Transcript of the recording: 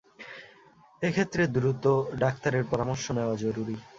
এক্ষেত্রে দ্রুত ডাক্তারের পরামর্শ নেওয়া জরুরি।